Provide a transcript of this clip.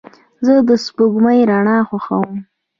زه د سپوږمۍ رڼا خوښوم.